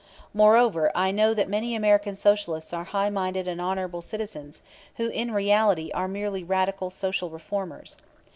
Moreover, I know that many American Socialists are high minded and honorable citizens, who in reality are merely radical social reformers.